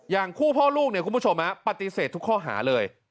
อย่างคู่พ่อลูกเนี่ยคุณผู้ชมปฏิเสธทุกข้อหาเลย